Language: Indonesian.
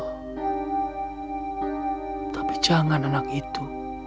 ya allah tapi jangan anak itu